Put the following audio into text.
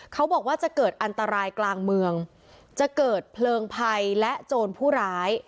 เขาบอกว่าจะเกิดอันตรายกลางเมืองจะเกิดเพลิงภัยและโจรผู้ร้าย